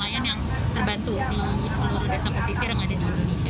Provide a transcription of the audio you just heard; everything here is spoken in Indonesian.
nelayan yang terbantu di seluruh desa pesisir yang ada di indonesia